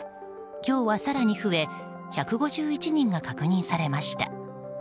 今日は更に増え１５１人が確認されました。